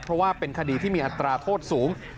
เพราะว่าเป็นคดีที่มีอัตราโทษสูง